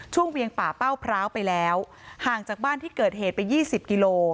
เวียงป่าเป้าพร้าวไปแล้วห่างจากบ้านที่เกิดเหตุไป๒๐กิโล